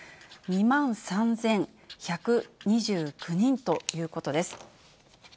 ２万３１２９人ということです。